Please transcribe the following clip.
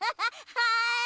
はい。